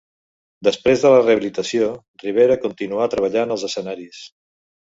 Després de la rehabilitació, Rivera continuà treballant als escenaris.